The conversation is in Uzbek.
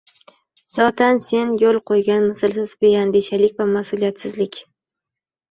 —… zotan, sen yo‘l qo‘ygan mislsiz beandishalik va mas’uliyatsizlik